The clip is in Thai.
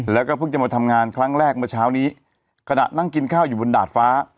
แล้วก็เพิ่งจะมาทำงานครั้งแรกเมื่อเช้านี้ขณะนั่งกินข้าวอยู่บนดาดฟ้า